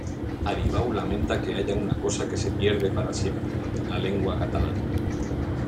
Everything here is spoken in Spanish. Aribau lamenta que haya una cosa que se pierde para siempre, la lengua catalana.